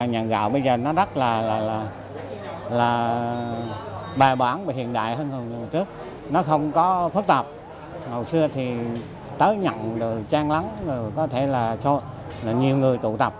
nhận gạo bây giờ nó rất là bài bán và hiện đại hơn hồi trước nó không có phức tạp hồi xưa thì tới nhận rồi trang lắng rồi có thể là nhiều người tụ tập